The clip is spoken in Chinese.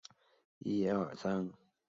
棚仓町是位于福岛县东白川郡的一町。